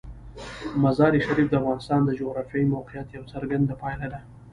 مزارشریف د افغانستان د جغرافیایي موقیعت یوه څرګنده پایله ده.